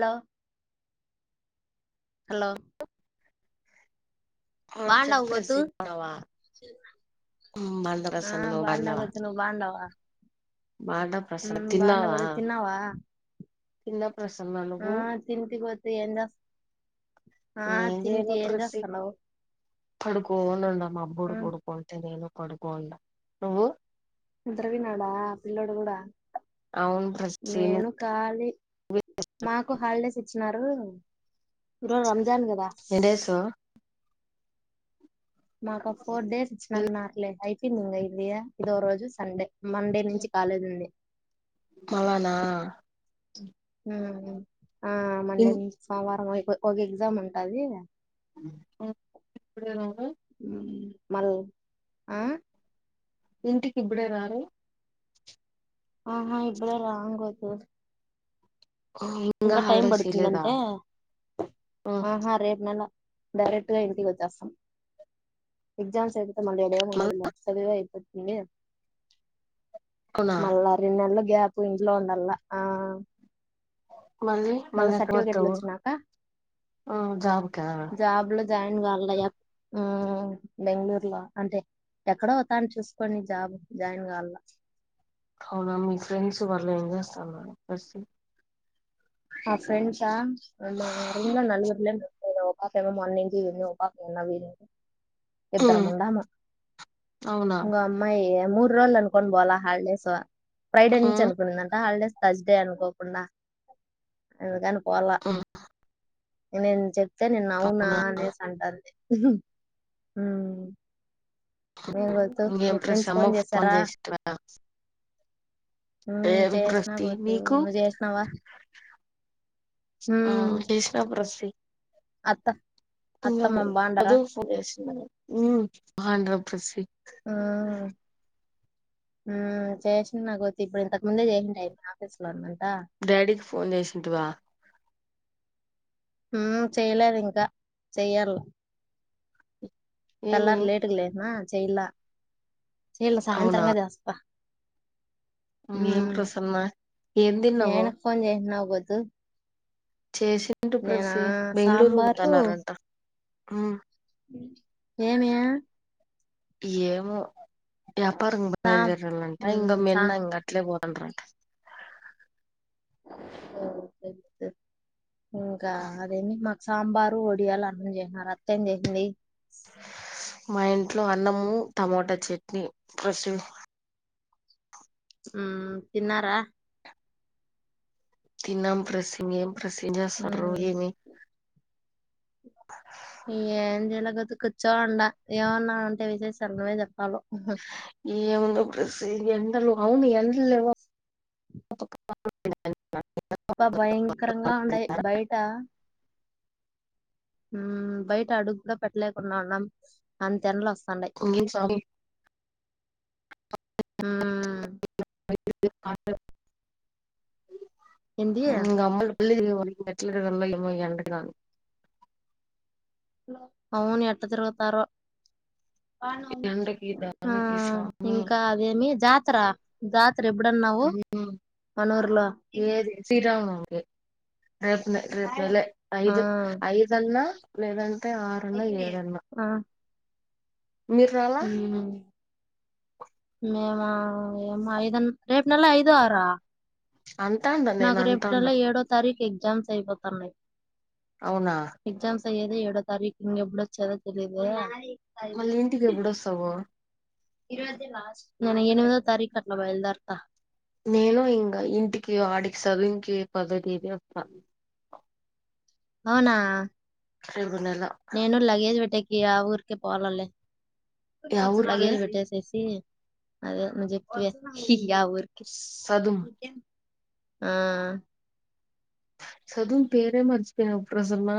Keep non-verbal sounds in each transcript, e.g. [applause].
లో. హలో. ఆ బండవు చెప్పు వొద్దు. రెసిపీ బాండవ బాండ ఆ ప్రసన్న నువ్వు బాడగొచ్చిన, నువ్వు బాడవా. మాట ప్రసన తిన్నావా తిన్నావా తిన్న. ప్రసన్న ఆ నువ్వు తింతి గొతే ఎ జస్. ఏం చేయలో ప్రసి, పడుకోని ఉండం అబ్బుడు ఉమ్ పడుకోంటే నేను. కొడుకొండ, నువ్వు. ఒంటారా విన్నాడా, పిల్లోడు కూడా. అవును ప్రసి నేను నువ్వు ఖళీ మాకు హాలిడేస్ ఇచ్చినారు ఈ రోజ్ రంజాన్ కదా ఏం చేసావ్ మాకు ఫోర్ డేస్ ఇచ్చినన్నారులే అయిపోయింది ఇం ఇదియా ఇదో రోజు సండే మండే నుంచి కాలేజుంది మల్లనా ఆ ఆ మండే నుంచ్ సోమవారం ఒక ఎగ్జామ్ ఉంటది [unintelligible] ఎప్పుడ మల్ ఆ ఇంటికి ఇప్పుడే రారు ఆహా ఇప్పుడే రాం గోతు ఇంగా ఇంకా టైం హాలిడేస్ ఇయలేదా పడుతుందంటే మళ్ళ ఆహా రేపు నెల డైరెక్ట్ గా ఇంటికి వచ్చేస్తాం ఎగ్జామ్స్ అయ్ మళ్ళఈడ ఏం ఉండదు లే చదువే అయిపోతుంది అవునా మల్లా రెన్నేళ్లు గ్యాప్ ఇంట్లో ఉండల ఆ మళ్ళీ మళ మళ్ళీ ఎక్కడ సర్టిఫికెట్లు పోతావు వచ్చినా క జాబ్కా జాబ్లో జాయిన్ కాల్ల య ఉమ్ బెంగళూరు లో అంటే ఎక్కడో ఓతన చూసుకోనీ జాబ్ జాయిన్ కాల్ల అవునా మీ ఫ్రెండ్స్ వాళ్ ఏం చేస్తాన్నారు పర్సీ ఆ ఫ్రెండ్సా మా రూమ్ లో నలుగురులే ఉండేది ఓ ప పాపెమో మొన్న ఇంటికి వోయింది ఓ పాప నిన్న వోయింది ఇద్దరం ఉడాము అవునా ఇంగో అమ్మాయి మూడు రోజలు అనుకోని పోాలా హాలిడేస్ ఫ్రైడే ఆ నుంచి అనుకుందన్ టా హాలిడేస్ త్ర్సడే అనుకోకుండా అందుకని పోలా ఆ నేను చెప్తే నిన్న అవునా అనేసి అంటాది ఉంహు ఉమ్ ఏం గోతు ఇంకేం మీ ప్రసి ఫ్రెండ్స్ ఫోన్ అమ్మకు చేసారా చేసిరా ఉమ్ లేదు చేసిన ప్రస్తి గోతు నీకు నువ్ చేసినవా ఆ టెసిన ప్రస్సి అత్త ఇంగ అత్తమ్మమ్మ బాగుండారా మధు ఫోన్ చేసిందా ఉమ్ అంగం ప్రస్సీ ఆ ఉమ్ చేసిన్న గోతు ఇప్పుడు ఇంతకు ముందే చేసిండే ఆయ్ మ్మి ఆఫీస్ లో ఉన్న డాడీకి ఫోన్ చేసిన్ టీవా ఉమ్ చెయలేదు ఇంకా చెయ్యాల ఏమి తెల్లారి లేటుగ లేసినా చేయలా చేయల్ల అవునా సాయంత్రంగా చేస్త ఏం ఉమ్ ప్రసన్న ఏం మీ తిన్నావు ఆయనకు ఫోన్ జేసిన్నావ్ గోతు చేసిండు ప్రస్సి బెంగళూరు సాంబారు పోతన్నారంట ఏమీ ఏమో వ్యాపారం సా బయలుదేరాలంట ఇంగ ఉమ్ మియ సా న్న ఇంగ అట్లే పోత్ అంట్రా ట ఇంకా అదేమీ మాక్ సాంబారు ఒడియాలు అన్నం చేసినారు అత్త ఏమ్ చేసింది మా ఇంట్లో అన్నము టమోటా చట్నీ ప్రస్సీ ఊమ్ తిన్నారా తిన్నాం ప్రస్సి ఇంగేమ్ ప్రస్సీ ఏం జెస్సండ్రు ఉమ్ ఏమీ గోతు కూర్చోండా ఏమన్నా ఉంటే విశేషాలు నువ్వే జెప్ ఏ ఉందొ ప్రస్సీ ఎండలో అవును ఎండల్ లేవా [unintelligible] బ్బా భయంకరంగా ఉండాయ్ బయట బయట అడుగు కూడా పెట్టలేకుండా ఉన్నాం అంత ఎన్నలో వస్త ఇంగ ఏమి స్వామి హ ఏంది ఆమ్మల్ గాని అవును ఎట్ట తిరుగుతారో ఎండకి ఆ దానికి స్వామి ఇంకా అదేమి జాతర జాతర ఎప్పుడన్నావు మనుర్లో ఏది శ్రీరామనవమికి రేపు రేపు నెల ఆ ఐదు ఐదన్నా లేదన్ టే ఆరు అన్నా ఏడు అన్నా ఉహు ఏమో రేపు నెల ఐదు ఆర అంటాండ నేను నాకు రేపు అంటాండ నెలో ఏడో తారీఖు ఎగ్జామ్స్ అయిపోతున్నాయి అవునా ఏదో ఏడో తారీఖ ఎప్పుడ వచ్చాదో తెలియదే మళ్ళీ ఇంటికి ఎప్పుడొస్తావు నేను ఎనిమిదో తారీకు అట్లా బయలుదేర్త నేను ఇంకా ఇంటికి ఆడికి చదువుకి పదవ తేదీ వస్తా అవునా రేపు నెల నేను లగేజ్ పెట్టకి ఆ ఊరికే పోవాలలేే యా ఊరికి లగేజి పెట్టేసేసి యా ఊరికి సదుం ఆ చదువు పేరే మరసిపోయినావా, ప్రసన్న,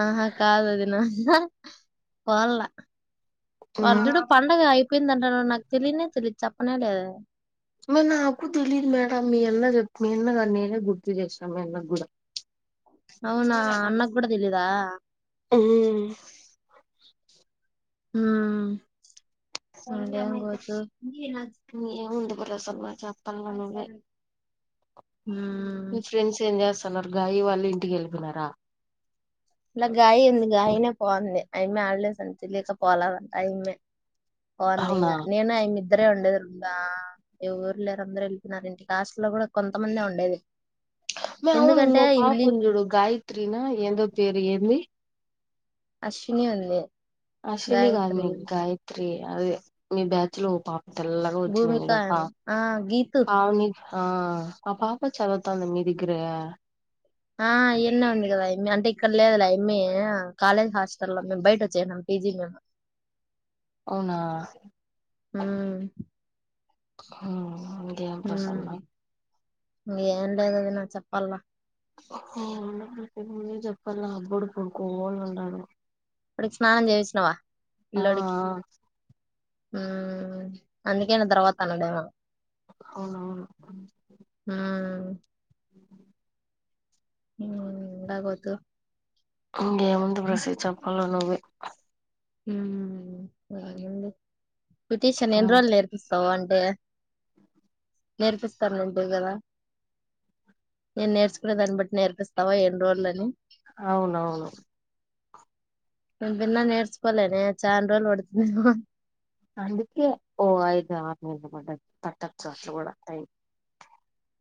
ఆహా కాదు వదిన పోళ్ళ మ్మ్ వర్ధుడు పండగ అయిపోయిందంట నాడు నాకు తెలియనే తెలియదు చెప్పనే లేదే మే నాకు తెలియదు మే యాడ మీ అన్న చే మీ అన్నకు నేనే గుర్తు చేసిన మీ అన్నకు కూడా అవునా అన్నకు కూడా తెలిదా హ్మ్మ్ హ ఏముంది మీ ఉమ్ ఫ్రెండ్ స్ ఏమి చేస్తున్నారు రు గాయి వాళ్ళు ఇంటికి వెళుతున్నారా ఇలా గాయి ఉంది గాయినే పోంది అయిమ హాలిడేస్ అని తెలియక పోలేదంట అయిమే బాగుంది అవునా ఇంకా, నేను ఇద్దరే ఉండేది ఇంకా ఎవరూ లేరు అందరుూ వెళ్ళిపోయినారు ఇంటఆస్టల్లో కూడా కొంతమంది ఉండేది అవును ఎందుకంటే ఇంకో పాప ఇవిలి ఉంది చూడు గాయత్రీన ఎంధో పేరు ఏంది అశ్విని అంది అశ్విని కాదు మే గాయత్రి అది మీ బ్యాచ్ లో పాప తెల్లగా వచ్చినయి భూమిక ఈ రోజు ఆమె ఆ గీతు పావు ఆ ఆ పాప చదువుతుండ్యా, మీ దగ్గరే ఆ ఇన్ ఉంది కదా అయామి అంటే ఇక్కడ లేదులే ఏమీ కాలేజ్ హాస్ట లో మేము బయట వచ్చేసినాము పీజీనా అవునా హ్మ్మ్ హ్మ్మ్ ఇంకేమి ప్రసన్న ఉమ్ ఏం లేదు వదిన చెప్పల్ల నువ్వే చెప్పాల అబ్బుడు పడుకోని ఉన్నాడు డికి స్నానం చేసినావా ఆ అందుకే నా తర్వాత అవును అవును ఉమ్ మేమ్ ఉండగోద్దు ఇంగే ముంది బ్రెసి చప్పాల నువ్వే బ్యూటీషన్ ఎన్ని రోజుల్ నేర్పిస్తు త్తవ అంటే నేర్పిస్తారుంటే గదా నేను నేర్చుకునే దాన్ని బట్టి నేర్పిస్తావా ఎన్ని రోజులని అవునవును నే విన్న నేర్చుకోలేదే చానా రోజుల్ పడుతదేమో అందుకే ఓ ఐదు ఆరు నెలలు పడ్డది పట్టొచ్చు అట్ల కూడా టైం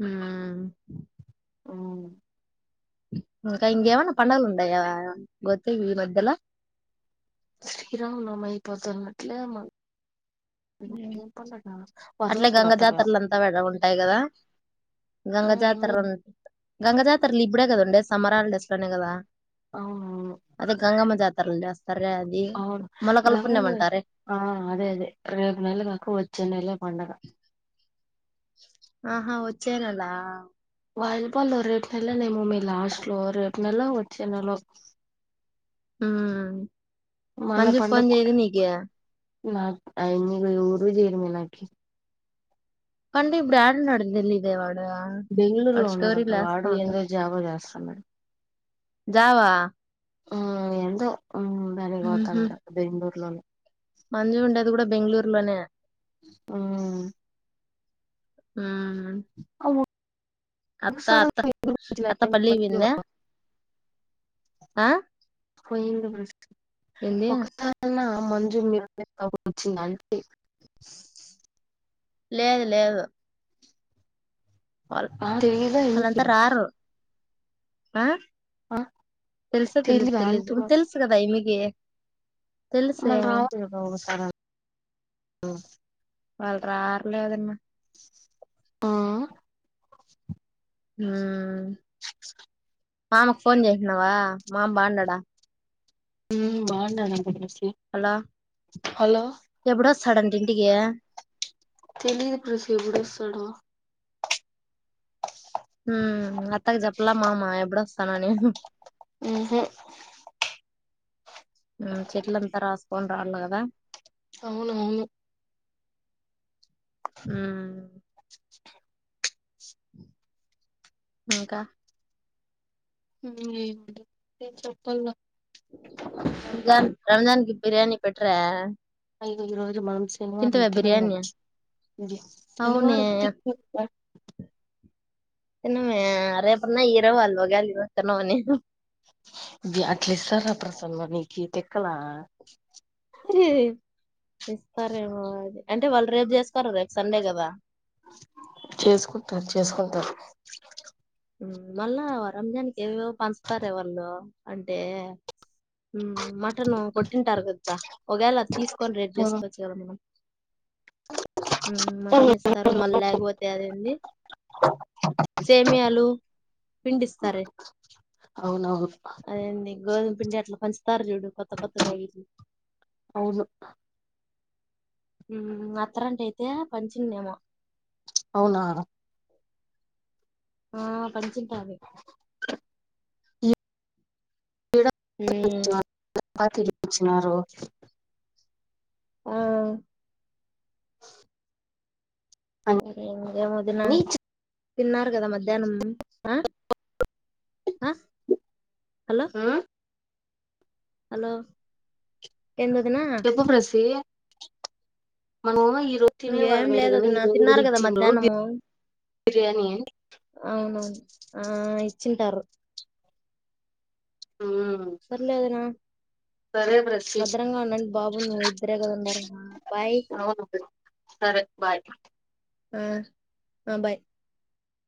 ఉమ్ అవును ఇంకా ఇంగేమన్నా పండుగలు ఉండయా గొత్తే ఈ మధ్యల శ్రీరామనవమి అయిపోతన్నట్లేమ అట్లే వరలక్ష్మి గంగ వ్రతం ఏమో. జాతరలు అంతా ఉంటాయి గదా గంగ జాతర ఉంట గంగ జాతరలు ఇప్పుడే గదా ఉండేది సమ్మర్ హాలిడేస్ లోనే గదా అవునవును అదే గంగమ్మ జా అవును గంగ పుణ్యం అంటారే ఆ అదే అదే రే నెల గాక వచ్చేనెల పండగ ఆహా వచ్చేనెల వాయిలీపాడ్ లో రేపు నెలనేమోమే లాస్ట్ లో రేపు నెలో వచ్చే నెలో ఉమ్ మంజు ఫోన్ జేయదు నీకి నాక్ అయమ్మి ఎవరు జేయరు మీ నాకి అంటే ఇప్పుడు యాడున్నడో తెలియదేవాడు బెంగళూరులో వాడు స్టోరీ ఉన్నాడంట లేస్తా వాడు ఉంటడు ఏందో జాబో చేస్తున్నాడు జాబా ఆ ఎందో ఉహు బెలికోతడట బెంగుళూరిలోనే మంజు ఉండేది గూడా బెంగుళూరులోనే ఆ ఉమ్ అత్త ఒకసారి అత్త అత్తా పల్లి పోయిందా ఆ పోయిందిమా ఏంది ఒకసారైనా మంజు మీరు వచ్చింది అంటే లేదు లేదు వాళ్ళ్ ఆ తెలీదా ఎందుకు వాళ్ళంతా రారు ఆ ఆ తెల్సా తెలి తెలీదా తెలిదు అంటున్నా తెల్సు గదా ఇమేకి మళ్ళ రావచ్చు గదా ఒకసారన్నా వాళ్ళు రార్లే వదినా ఆ ఉమ్ మామకి ఫోన్ జేసినవా మామ బాగున్నాడా ఉమ్ బాగుండ అని అనుకుంటుండొచ్చు హలో ఎప్పుడొస్తాడంట ఇంటికి తెలియదు ప్రెసి ఎప్పుడొస్తాడో ఉమ్ అత్తకి జెప్పలే మామా ఎప్పుడొస్తానని ఊహూ ఉమ్ చెట్లంతా రాసుకొని రావాల గదా అవునవును ఉమ్ ఇంకా చెప్ప రంజాన్ రంజాకి ప్రయాణి పెట్టర అయ ఈరోోజు మనసేను బిర్యానీ ఆరంించన్నా అవునే శనివారం [inaudible] తన్నమే అరే ఎపుడున్న ఈరవ అల్ వగాలి తన్నా మని అట్లే సరా ప్రసంగ నీనికి తెక్కలా ఇస్తారేమో అది అంటే వాళ్ళు రేపు చేసుకోారు రేపు సండే కదా చేసుకుంటారు చేసుకుంటారు మళ్ళా వ రంజానికి ఏవేో పంచుతారే వాళ్ళు అంటే మటన్ కొట్టింటారు కదా ఒకవేళ అది తీసుకొని రెడ్ చేసుకోవచ్చు కదా మనం మటన్ ఇస్తారు మళ్ళీ లేకపోతే అదడి సేమి పిడిస్త అవునవును అ గ పి ఆట్లా పంచంచితరజూడు కొత్త కొత్త బేగిలు అవును అత్తరంట అయితే పంచిందేమో అవునా ఆ పంచింటాల హ్మ్ చ్చినార ఆ సరే ఇంకేమో వదిన అని తిన్నారు కదా మధ్యాహ్నం ఆ ఆ హలో హలో ఏంది వదిన చెప్పు ప్రసిీ మన ఏమ ఇరు తిన వాళ్ళ ఇంకేం లేదు వేటగానే వదిన ఇరోడు తిన్నారు కదా ఇచ్చిిన్రో మధ్యాహ్నము అవునవును ఆ ఇచ్చింటారు సర్లే వదిన సరే ప్రసివు భద్రంగా ఉండండి బాబు నువ్వు ఇద్దరే కదా ఉన్నారు బాయ్ సరే బాయ్ ఆ బాయ్